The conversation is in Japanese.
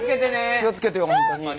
気を付けてよ本当に。